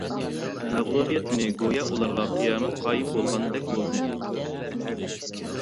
مەغلۇبىيەت كۈنى گويا ئۇلارغا قىيامەت قايىم بولغاندەك بولدى.